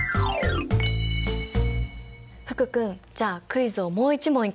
福君じゃあクイズをもう一問いくよ。